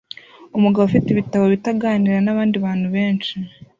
Umugabo ufite ibitabo bito aganira nabandi bantu benshi